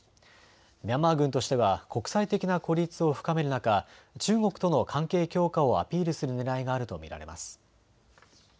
ミャンマー軍としては国際的な孤立を深める中、中国との関係強化をアピールするねらいがあると見られます。